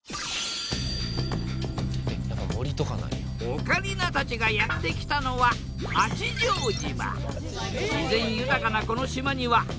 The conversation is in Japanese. オカリナたちがやって来たのは八丈島。